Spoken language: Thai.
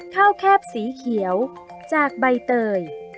แคบสีเขียวจากใบเตย